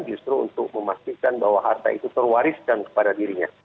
justru untuk memastikan bahwa harta itu terwariskan kepada dirinya